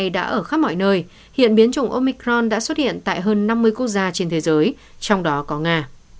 đã ở khắp mọi nơi hiện biến chủng omicron đã xuất hiện tại hơn năm mươi quốc gia trên thế giới trong đó có nga